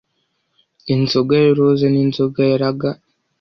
inzoga ya roza n'inzoga ya lager